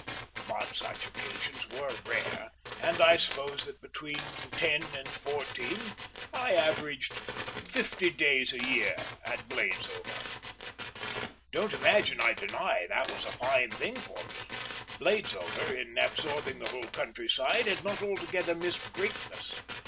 But such occasions were rare, and I suppose that between ten and fourteen I averaged fifty days a year at Bladesover. Don't imagine I deny that was a fine thing for me. Bladesover, in absorbing the whole countryside, had not altogether missed greatness.